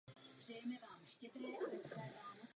Během několika dní bylo letiště evakuováno.